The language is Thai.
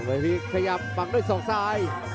มันไปพลิกขยับปังด้วยส่องซ้าย